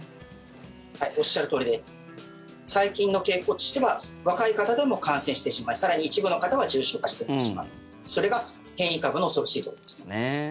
おっしゃるとおりで最近の傾向としては若い方でも感染してしまい更に一部の方は重症化してしまうそれが変異株の恐ろしいところですね。